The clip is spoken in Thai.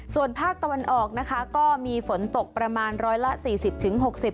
ส่วนภาคตะวันออกนะคะก็มีฝนตกประมาณร้อยละสี่สิบถึงหกสิบ